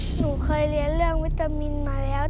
หนูเคยเรียนเรื่องวิตามินมาแล้ว